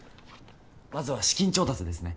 まずは資金調達ですね。